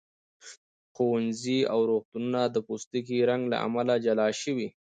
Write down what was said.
ښوونځي او روغتونونه د پوستکي رنګ له امله جلا شوي.